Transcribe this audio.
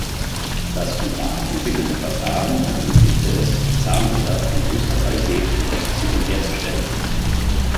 Das von Maag entwickelte Verfahren ermöglichte es, Zahnräder von höchster Qualität und Präzision herzustellen.